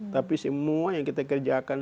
tapi semua yang kita kerjakan